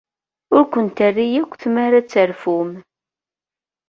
Ur ken-terri akk tmara ad terfum.